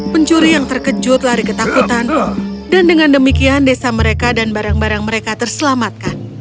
pencuri yang terkejut lari ketakutan dan dengan demikian desa mereka dan barang barang mereka terselamatkan